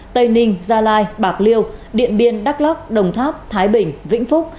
tây ninh gia lai bạc liêu điện biên đắk lắc đồng tháp thái bình vĩnh phúc